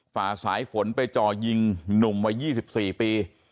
ฝ่าสายฝนไปจ่อยิงหนุ่มวัย๒๔ปี